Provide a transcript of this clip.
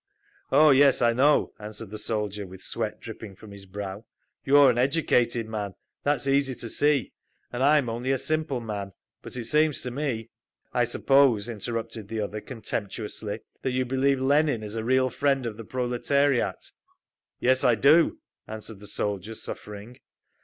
"Oh, yes, I know," answered the soldier, with sweat dripping from his brow. "You are an educated man, that is easy to see, and I am only a simple man. But it seems to me—" "I suppose," interrupted the other contemptuously, "that you believe Lenin is a real friend of the proletariat?" "Yes, I do," answered the soldier, suffering.